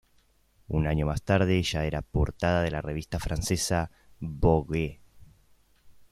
Un año más tarde ya era portada en la revista francesa "Vogue".